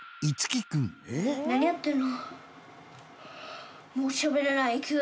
何やってんの？